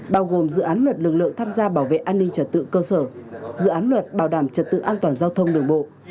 bao gồm dự án luật lực lượng tham gia bảo vệ an ninh trật tự cơ sở dự án luật bảo đảm trật tự an toàn giao thông đường bộ